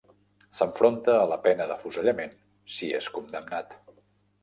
S'enfronta a la pena d'afusellament si és condemnat.